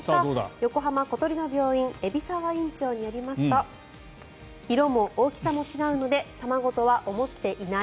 横浜小鳥の病院海老沢院長によりますと色も大きさも違うので卵とは思っていない。